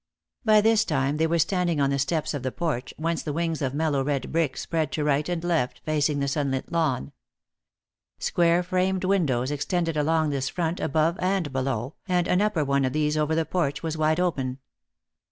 By this time they were standing on the steps of the porch, whence the wings of mellow red brick spread to right and left, facing the sunlit lawn. Square framed windows extended along this front above and below, and an upper one of these over the porch was wide open.